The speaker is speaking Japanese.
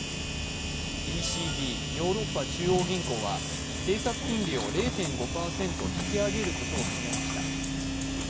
ＥＣＢ＝ヨーロッパ中央銀行は政策金利を０．５％引き上げることを決めました。